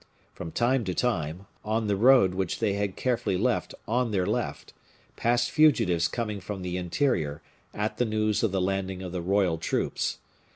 From time to time, on the road which they had carefully left on their left, passed fugitives coming from the interior, at the news of the landing of the royal troops.